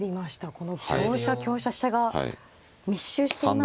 この香車香車飛車が密集していますね。